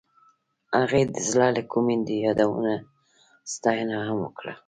هغې د زړه له کومې د یادونه ستاینه هم وکړه.